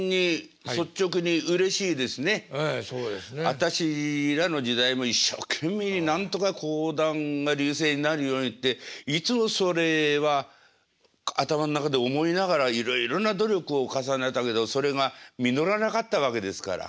私らの時代も一生懸命になんとか講談が隆盛になるようにっていつもそれは頭ん中で思いながらいろいろな努力を重ねたけどそれが実らなかったわけですから。